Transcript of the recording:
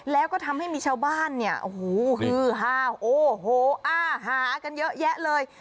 แล้วก็ทำให้มีชาวบ้านเนี่ยโอ้โหฮือฮาวโอ้โหอ้าหากันเยอะแยะเลย